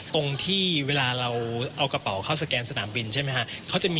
ตรงที่เวลาเราเอากระเป๋าเข้าสแกนสนามบินใช่ไหมครับ